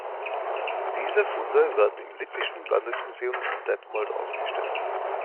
Diese Funde werden im Lippischen Landesmuseum in Detmold ausgestellt.